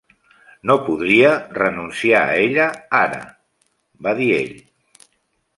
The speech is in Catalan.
"No podria renunciar a ella ara", va dir ell.